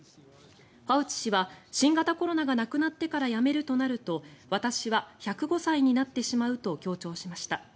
ファウチ氏は新型コロナがなくなってから辞めるとなると私は１０５歳になってしまうと強調しました。